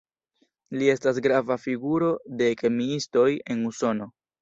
Li estas grava figuro de kemiistoj en Usono.